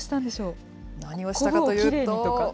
何をしたかというと。